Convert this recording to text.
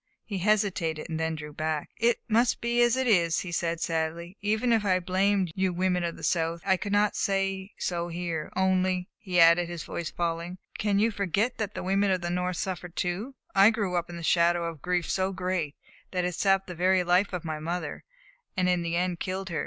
He hesitated, and then drew back. "It must be as it is," he said sadly. "Even if I blamed you women of the South, I could not say so here. Only," he added, his voice falling, "can you forget that the women of the North suffered too? I grew up in the shadow of a grief so great that it sapped the very life of my mother, and in the end killed her.